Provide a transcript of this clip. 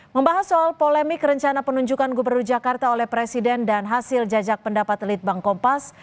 membahas soal polemik rencana penunjukan gubernur jakarta oleh presiden dan hasil jajak pendapat litbang kompas